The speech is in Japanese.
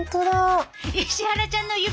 石原ちゃんの指先！